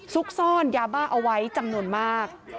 ซุกซ่อนยาบ้าเอาไว้จำนวนมาก